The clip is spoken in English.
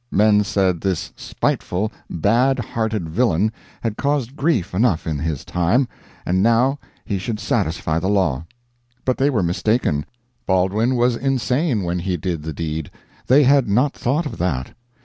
Men said this spiteful, bad hearted villain had caused grief enough in his time, and now he should satisfy the law. But they were mistaken; Baldwin was insane when he did the deed they had not thought of that.